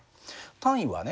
単位はね